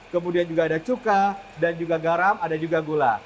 kemudian juga ada cuka dan juga garam ada juga gula